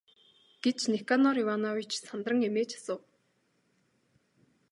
гэж Никанор Иванович сандран эмээж асуув.